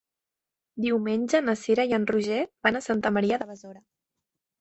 Diumenge na Cira i en Roger van a Santa Maria de Besora.